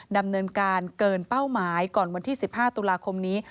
ดำเนินการเกินเป้าหมายก่อนวันที่๑๕ตุลาคมนี้